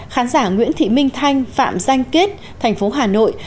khán giả nguyễn thị minh thanh phạm danh kết tp hà nội